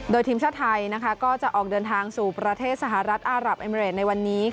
โดยทีมชาติไทยก็จะออกเดินทางสู่ประเทศสหรัฐอารับเอเมริดในวันนี้